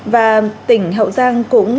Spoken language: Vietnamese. và tỉnh hậu giang cũng